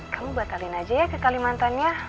kamu batalin aja ya ke kalimantannya